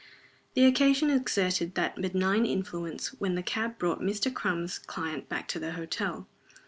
The occasion exerted that benign influence when the cab brought Mr. Crum's client back to the hotel.